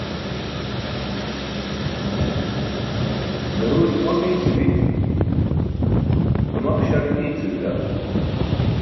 Daruwe tumaq iice bi, tumaq-śak iice bila.